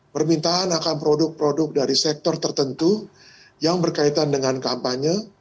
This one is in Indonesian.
permintaan akan produk produk dari sektor tertentu yang berkaitan dengan kampanye